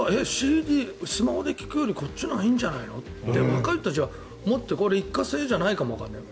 ＣＤ、スマホで聴くよりこっちのほうがいいんじゃないのって若い人たちは思って一過性じゃないかもわからない。